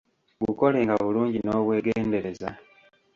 Gukolenga bulungi n'obwegendereza.